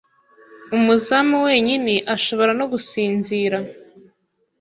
Umuzamu wenyine ashobora no gusinzira